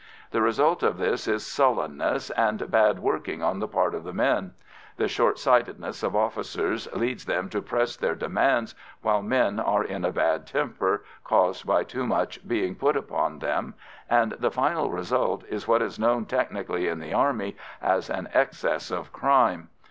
The result of this is sullenness and bad working on the part of the men; the short sightedness of officers leads them to press their demands while men are in the bad temper caused by too much being put upon them, and the final result is what is known technically in the Army as an excess of "crime."